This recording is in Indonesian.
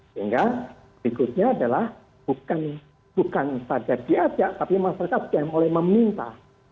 sehingga berikutnya adalah bukan saja diajak tapi masyarakat sudah mulai meminta